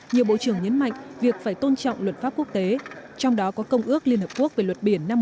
nhiều bộ trưởng nhấn mạnh việc phải tôn trọng luật pháp quốc tế trong đó có công ước liên hợp quốc về luật biển năm một nghìn chín trăm tám mươi